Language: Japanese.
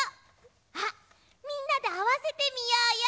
あっみんなであわせてみようよ！